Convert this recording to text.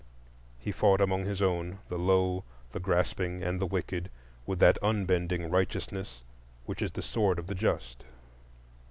He fought among his own, the low, the grasping, and the wicked, with that unbending righteousness which is the sword of the just.